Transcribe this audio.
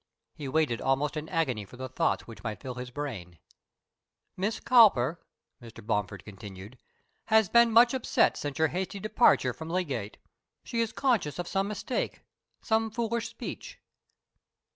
He waited almost in agony for the thoughts which might fill his brain. "Miss Cowper," Mr. Bomford continued, "has been much upset since your hasty departure from Leagate. She is conscious of some mistake some foolish speech."